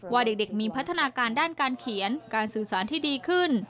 ว่าเด็กมีพัฒนาการด้านการเขียนการสื่อสารที่ดีขึ้น